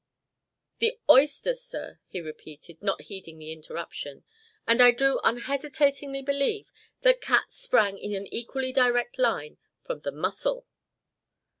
"The oyster, sir," he repeated, not heeding the interruption; "and I do unhesitatingly believe, that cats sprang in an equally direct line from the mussel."